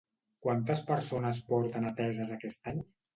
Quantes persones porten ateses aquest any?